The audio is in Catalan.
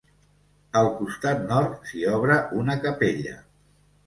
Al costat nord, s'hi obre una capella.